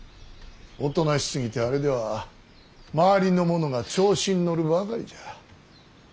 おとなしすぎてあれでは周りの者が調子に乗るばかりじゃ。